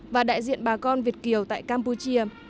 và đại diện bà con việt kiều tại campuchia